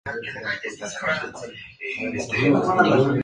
Irene es el nombre más poderoso.